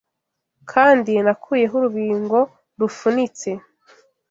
Kandi nakuyeho urubingo rufunitse